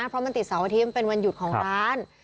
เพราะมันติดเสาร์อาทิตย์มันเป็นวันหยุดของร้าน